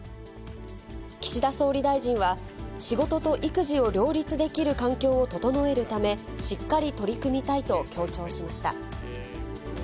岸田総理大臣は、仕事と育児を両立できる環境を整えるため、しっかり取り組みたいと強調しました。